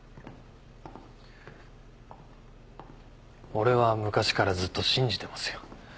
俺は昔からずっと信じてますよ